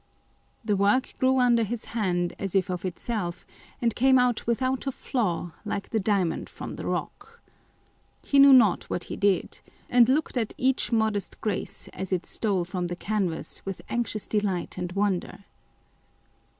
The work grew under his hand as if of itself, and came out without a flaw, like the diamond from the rock. He knew not what he did ; and looked at each modest grace as it stole from the canvas with anxious delight and wonder.